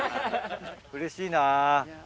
うれしいな。